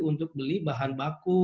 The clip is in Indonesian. untuk beli bahan baku